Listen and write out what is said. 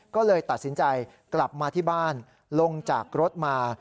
ก็เลยตัดสินใจกลับมาที่บ้านลงจากรถมา